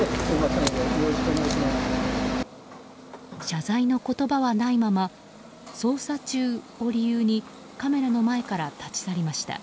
謝罪の言葉はないまま捜査中を理由にカメラの前から立ち去りました。